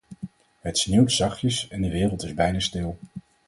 Het sneeuwt zachtjes en de wereld is bijna stil.